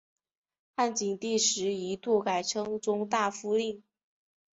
汉景帝时一度改称中大夫令。